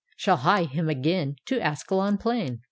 Shall hie him again To Ascalon plain.